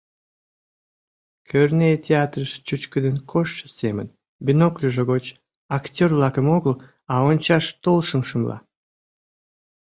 Кӧрнеи театрыш чӱчкыдын коштшо семын, бинокльжо гоч актёр-влакым огыл, а ончаш толшым шымла.